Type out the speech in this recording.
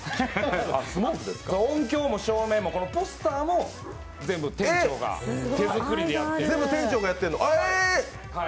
音響も照明もポスターも全部店長が手作りでやっている。